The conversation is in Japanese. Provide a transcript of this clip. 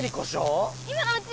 今のうち！